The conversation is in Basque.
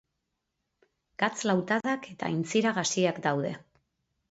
Gatz-lautadak eta aintzira gaziak daude.